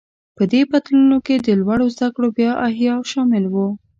په دې بدلونونو کې د لوړو زده کړو بیا احیا شامل و.